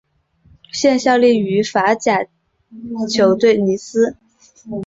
现效力于法甲球队尼斯。